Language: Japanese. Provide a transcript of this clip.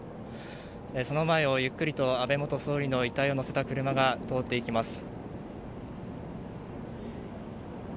その前をゆっくりと安倍元総理の遺体を乗せた車が通っていきます。